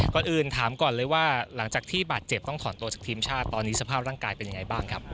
ก่อนอื่นถามก่อนเลยว่าหลังจากที่บาดเจ็บต้องถอนตัวจากทีมชาติตอนนี้สภาพร่างกายเป็นยังไงบ้างครับ